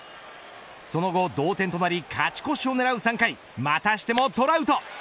その後、同点となり勝ち越しを狙う３回またしてもトラウト。